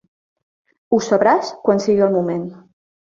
Ho sabràs quan sigui el moment.